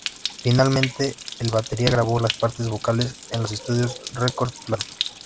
Finalmente, el batería grabó las partes vocales en los estudios Record Plant.